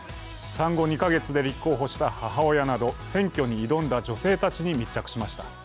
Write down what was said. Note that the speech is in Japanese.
産後２カ月で立候補した母親など、選挙に挑んだ女性たちに密着しました。